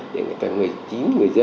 để người ta người chính người dân